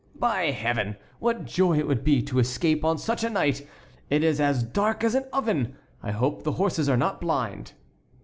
By Heaven, what joy it would be to escape on such a night! It is as dark as an oven! I hope the horses are not blind."